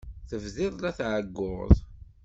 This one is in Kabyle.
Tebdiḍ la tɛeyyuḍ?